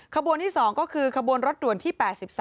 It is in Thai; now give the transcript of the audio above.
ขบวนที่๒ก็คือขบวนรถด่วนที่๘๓